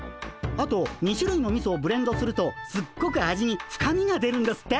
あと２しゅるいのみそをブレンドするとすっごく味に深みが出るんですって。